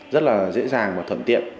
rất là dễ dàng và thuận tiện